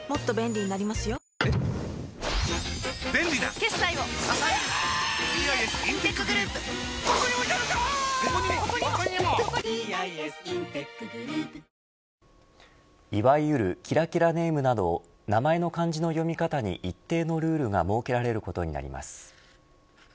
接戦を制したロコ・ソラーレはいわゆるキラキラネームなど名前の漢字の読み方に一定のルールが設けられることになります。